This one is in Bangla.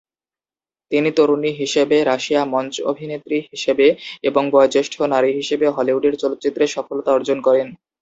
তিনি তরুণী হিসেবে রাশিয়া মঞ্চ অভিনেত্রী হিসেবে এবং বয়োজ্যেষ্ঠ নারী হিসেবে হলিউডের চলচ্চিত্রে সফলতা অর্জন করেন।